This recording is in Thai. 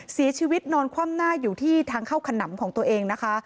เสียชีวิตนอนคว่ำหน้าอยู่ที่ทางเข้าขนำของตัวเองนะคะ